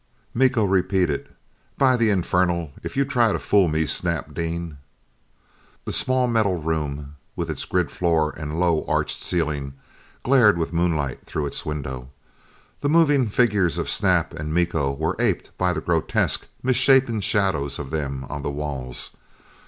Miko repeated: "By the infernal, if you try to fool me, Snap Dean!" The small metal room, with its grid floor and low arched ceiling, glared with moonlight through its window. The moving figures of Snap and Miko were aped by the grotesque, misshapen shadows of them on the walls.